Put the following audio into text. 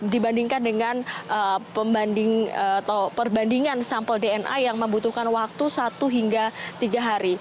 dibandingkan dengan pembandingan